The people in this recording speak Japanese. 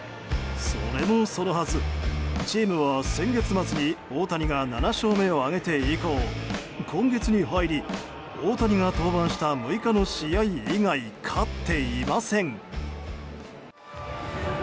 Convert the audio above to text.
それもそのはずチームは先月末に大谷が７勝目を挙げて以降今月に入り大谷が登板した６日の試合以外勝っていません。